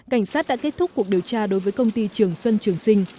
cảnh sát đã kết thúc cuộc điều tra đối với công ty trường xuân trường sinh